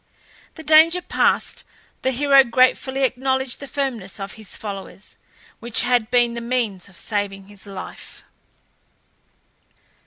The danger past, the hero gratefully acknowledged the firmness of his followers, which had been the means of saving his life.